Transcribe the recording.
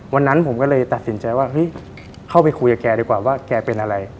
วันนั้นผมก็เลยตัดสินใจว่าเฮ้ยเข้าไปคุยกับแกดีกว่าว่าแกเป็นอะไร